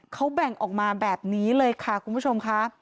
เขาแบ่งออกมาแบบนี้เลยค่ะคุณผู้ชมค่ะ